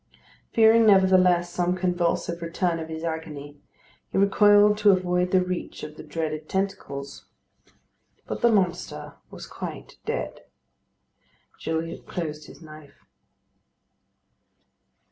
Fearing, nevertheless, some convulsive return of his agony, he recoiled to avoid the reach of the dreaded tentacles. But the monster was quite dead. Gilliatt closed his knife.